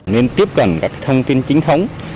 nên tiếp cận các thông tin chính thống